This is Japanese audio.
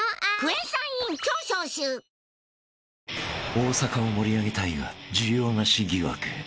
［大阪を盛り上げたいが需要なし疑惑］